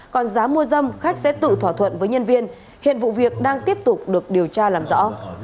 còn giá mua dâm khách sẽ tự thỏa thuận với nhân viên hiện vụ việc đang tiếp tục được điều tra làm rõ